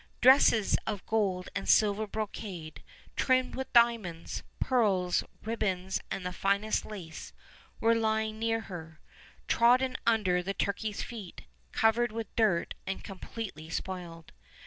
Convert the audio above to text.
Dresses of gold and silver brocade, trimmed with diamonds, pearls, ribbons and the finest lace, were lying near her, trodden under the turkeys' feet, covered with dirt and completely spoiled.